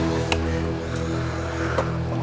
oke ya sampai besok